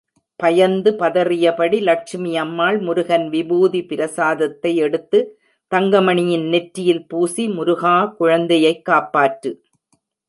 பயந்து பதறியபடி லட்சுமி அம்மாள் முருகன் விபூதி பிரசாதத்தை எடுத்து தங்கமணியின் நெற்றியில் பூசி, முருகா குழந்தையைக் காப்பாற்று!